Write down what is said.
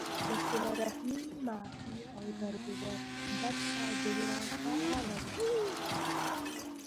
د صله رحمۍ ، معافۍ او درګذر برخه ډېره فعاله وي